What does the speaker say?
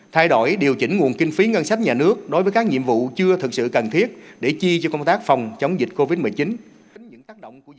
thay đổi điều chỉnh nguồn kinh phí ngân sách nhà nước đối với các nhiệm vụ chưa thực sự cần thiết để chi cho công tác phòng chống dịch covid một mươi chín